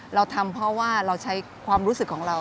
เราทำเพราะว่าเราใช้ความรู้สึกของเรา